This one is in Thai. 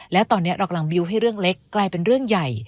แล้วตอนนี้เรากำลังบิวต์ให้เรื่องเล็กกลายเป็นเรื่องใหญ่